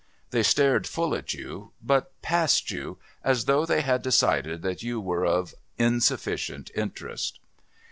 They stared full at you, but past you, as though they had decided that you were of insufficient interest.